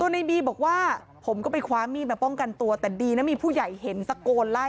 ในบีบอกว่าผมก็ไปคว้ามีดมาป้องกันตัวแต่ดีนะมีผู้ใหญ่เห็นตะโกนไล่